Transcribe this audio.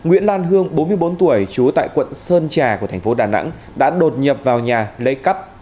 nguyễn lan hương bốn mươi bốn tuổi trú tại quận sơn trà của thành phố đà nẵng đã đột nhập vào nhà lấy cắp